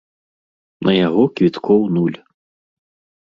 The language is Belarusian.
На яго квіткоў нуль.